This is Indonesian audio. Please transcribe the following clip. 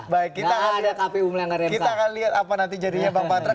baik kita akan lihat apa nanti jadinya bang patra